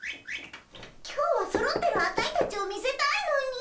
今日はそろってるアタイたちを見せたいのに。